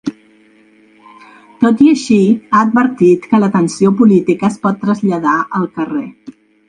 Tot i així, ha advertit que la tensió política es pot traslladar al carrer.